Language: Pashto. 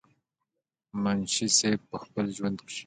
منشي صېب پۀ خپل ژوند کښې